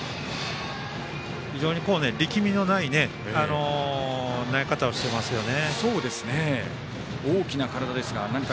非常に力みのない投げ方をしてますよね。